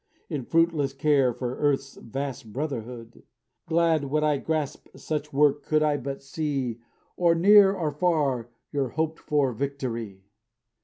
In fruitless care for earth's vast brotherhood? Glad would I grasp such work could I but see. Or near, or far, your hoped for victory."